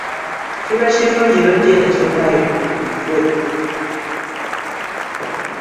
Kiba kirungi n’oggya entasoma yo ku mutwe.